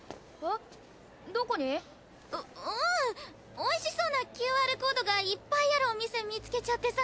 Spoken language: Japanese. おいしそうなＱＲコードがいっぱいあるお店見つけちゃってさ。